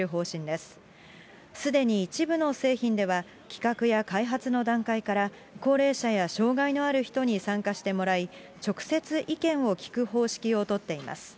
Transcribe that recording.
すでに一部の製品では、企画や開発の段階から高齢者や障害のある人に参加してもらい、直接意見を聞く方式を取っています。